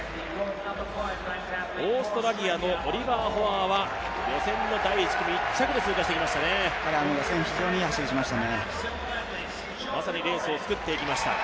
オーストラリアのオリバー・ホアーは予選の第１組１着で通過してきましたね。